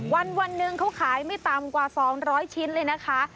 วันหนึ่งเขาขายไม่ต่ำกว่า๒๐๐ชิ้นเลยนะคะ